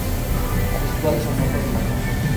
Sus padres son ambos blancos.